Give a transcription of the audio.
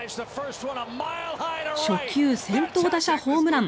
初球先頭打者ホームラン。